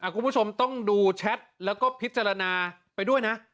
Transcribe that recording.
คุณผู้ชมต้องดูแชทแล้วก็พิจารณาไปด้วยนะ